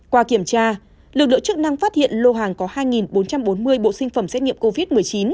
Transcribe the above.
qua kiểm tra lực lượng chức năng phát hiện lô hàng có hai bốn trăm bốn mươi bộ sinh phẩm xét nghiệm covid một mươi chín